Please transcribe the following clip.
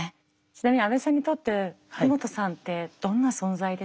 ちなみに阿部さんにとって福本さんってどんな存在ですか？